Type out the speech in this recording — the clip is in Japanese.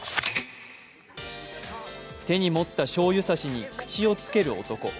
手に持ったしょうゆ差しに口をつける男。